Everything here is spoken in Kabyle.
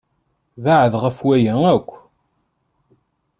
Bɛed ɣef waya akk!